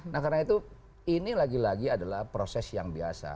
nah karena itu ini lagi lagi adalah proses yang biasa